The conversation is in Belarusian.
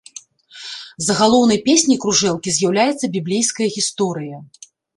Загалоўнай песняй кружэлкі з'яўляецца біблейская гісторыя.